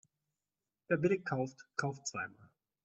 Wer billig kauft, kauft zweimal.